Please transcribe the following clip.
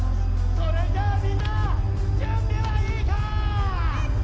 それじゃあみんな準備はいいか？